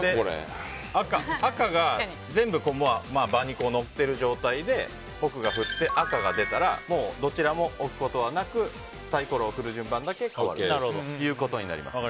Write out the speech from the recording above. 赤が全部場に載っている状態で僕が振って、赤が出たらどちらも置くことはなくサイコロを振る順番だけ変わるということになります。